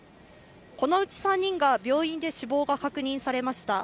このうち３人が病院で死亡が確認されました。